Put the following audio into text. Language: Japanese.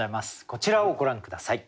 こちらをご覧下さい。